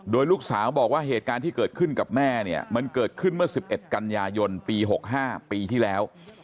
โดยลูกสาวบอกว่าเหตุการณ์ที่เกิดขึ้นกับแม่เนี่ยมันเกิดขึ้นเมื่อ๑๑กันยายนปี๖๕ปีที่แล้ว